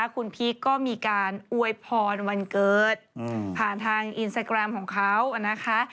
คุณพีคก็มีการอวยพรวันเกิดผ่านทางอินสตาแกรมของเขานะคะ